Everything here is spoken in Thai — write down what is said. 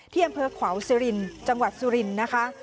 ที่บรรทน์ขวาสุรินทร์จังหวัดสุรินทร์นะคะ